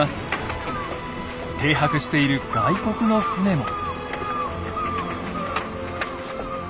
停泊している外国の船も。